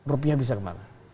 rupiah bisa kemana